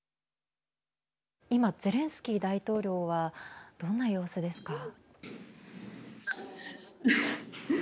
今、ゼレンスキー大統領はどんな様子ですか。